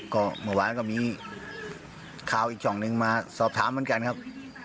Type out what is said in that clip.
ก็เมื่อวานก็มีข่าวอีกช่องหนึ่งมาสอบถามเหมือนกันครับ